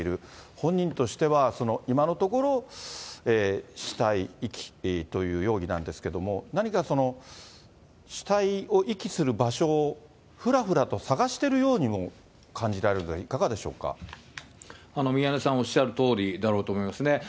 本人としては今のところ死体遺棄という容疑なんですけども、何かその、死体を遺棄する場所をふらふらと探しているようにも感じられるの宮根さん、おっしゃるとおりだろうと思いますね。